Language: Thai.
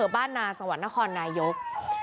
บ้านนาสหรภรรณครนายยก